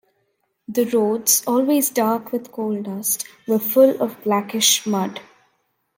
The roads, always dark with coal-dust, were full of blackish mud.